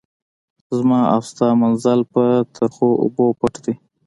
زما او ستا منزل په تریخو اوبو پټ دی.